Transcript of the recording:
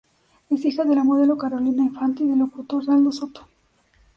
Es hija de la modelo Carolina Infante y del locutor Aldo Soto.